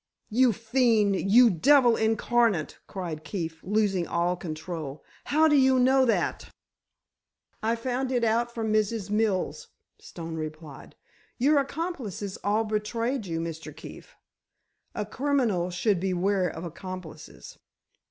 "You fiend! You devil incarnate!" cried Keefe, losing all control. "How do you know that?" "I found it all out from Mrs. Mills," Stone replied; "your accomplices all betrayed you, Mr. Keefe. A criminal should beware of accomplices.